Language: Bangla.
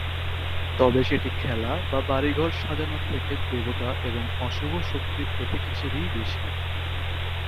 তবে সেটি খেলা বা বাড়িঘর সাজানোর থেকে দেবতা এবং অশুভ শক্তির প্রতীক হিসেবেই বেশি।